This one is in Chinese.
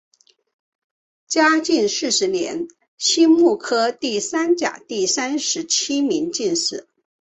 嘉靖四十年辛未科第三甲第三十七名进士。